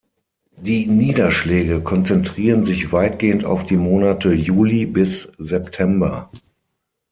Die Niederschläge konzentrieren sich weitgehend auf die Monate Juli bis September.